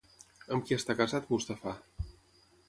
Amb qui està casat Mustafà?